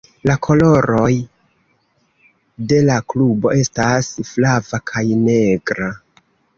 La koloroj de la klubo estas flava kaj negra.